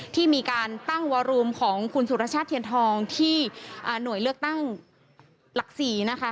ที่มีการตั้งวอรูมของคุณสุรชาติเทียนทองที่หน่วยเลือกตั้งหลัก๔นะคะ